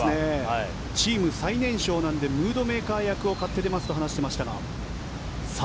チーム最年少なのでムードメーカー役を買って出ますと言っていましたが。